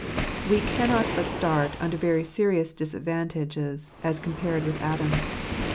We cannot but start under serious disadvantages as compared with Adam.